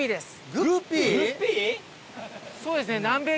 そうですね。